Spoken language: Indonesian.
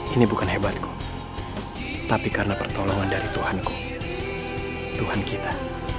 ini bukan hebatku tapi karena pertolongan dari tuhanku tuhan kita